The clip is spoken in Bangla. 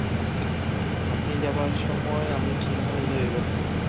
আপনি যাবার সময় আমি ঠিকানা লিখে দেব।